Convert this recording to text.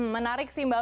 menarik sih mbak